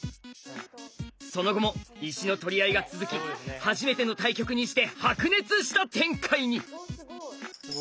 その後も石の取り合いが続き初めての対局にして白熱した展開に！